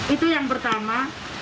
itu yang pertama